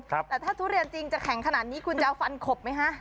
แต่ถ้าทุเรียนจริงจะแข็งขนาดนี้คุณจะเอาฟันขบไหมฮะ